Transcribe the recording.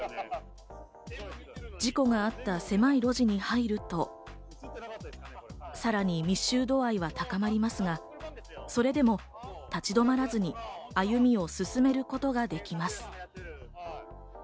事故があった狭い路地に入ると、さらに密集度合いは高まりますが、それでも立ち止まらずに歩みを進めることができます。